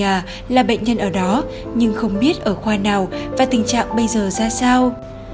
cậu biết người nhà là bệnh nhân ở đó nhưng không biết ở khoa nào và tình trạng bây giờ ra sao